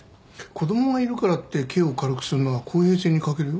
子供がいるからって刑を軽くするのは公平性に欠けるよ。